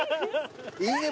いいね